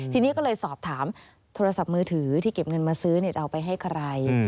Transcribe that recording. ทีนี้ก็เลยสอบถามโทรศัพท์มือถือที่เก็บเงินมาซื้อจะเอาไปให้ใคร